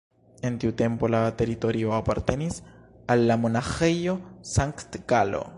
En tiu tempo la teritorio apartenis al la Monaĥejo Sankt-Galo.